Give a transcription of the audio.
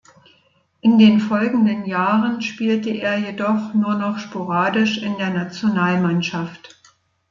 In den folgenden Jahren spielte er jedoch nur noch sporadisch in der Nationalmannschaft.